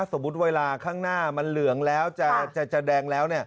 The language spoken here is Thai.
สมมุติเวลาข้างหน้ามันเหลืองแล้วจะแดงแล้ว